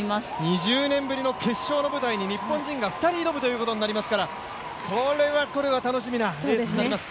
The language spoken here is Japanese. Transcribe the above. ２０年ぶりの決勝の舞台に日本人が２人挑むことになりますからこれはこれは楽しみなレースになります。